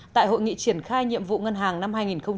tại hội nghị triển khai nhiệm vụ ngân hàng năm hai nghìn một mươi tám